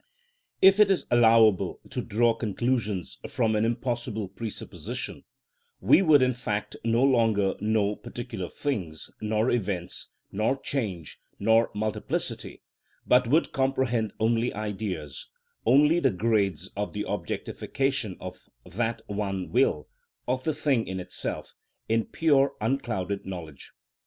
If it is allowable to draw conclusions from an impossible presupposition, we would, in fact, no longer know particular things, nor events, nor change, nor multiplicity, but would comprehend only Ideas,—only the grades of the objectification of that one will, of the thing in itself, in pure unclouded knowledge.